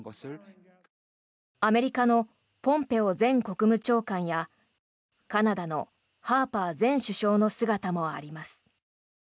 アメリカのポンペオ前国務長官やカナダのハーパー前首相の姿もあります。